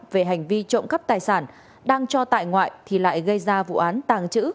về hành vi trộm cắp tài sản đang cho tại ngoại thì lại gây ra vụ án tàng trữ